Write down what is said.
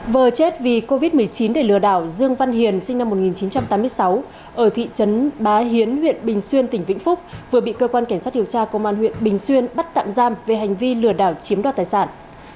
vừa chết vì covid một mươi chín để lừa đảo dương văn hiền sinh năm một nghìn chín trăm tám mươi sáu ở thị trấn bá hiến huyện bình xuyên tỉnh vĩnh phúc vừa bị cơ quan cảnh sát điều tra công an huyện bình xuyên bắt tạm giam về hành vi lừa đảo chiếm đoạt tài sản